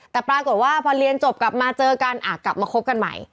แต่ปรากฏว่าพอเรียนจบกลับมาเจอกันกลับมาคบกันใหม่